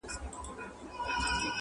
چي ته وې